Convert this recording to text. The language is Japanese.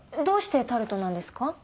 どうしてタルトなんですか？